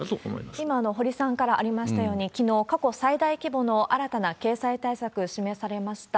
今、堀さんからもありましたように、きのう、過去最大規模の新たな経済対策示されました。